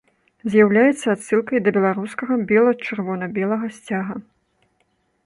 З'яўляецца адсылкай да беларускага бела-чырвона-белага сцяга.